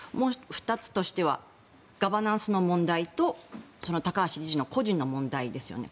２つ目としてはガバナンスの問題と高橋理事の個人の問題ですよね。